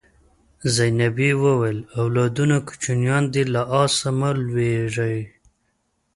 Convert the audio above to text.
زینبې وویل اولادونه کوچنیان دي له آسه مه لوېږئ.